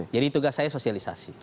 jadi tugas saya sosialisasi